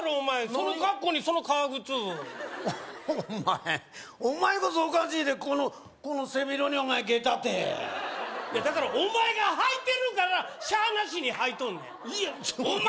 その格好にその革靴お前お前こそおかしいでこのこの背広にお前下駄ていやだからお前が履いてるからしゃあなしに履いとんねんお前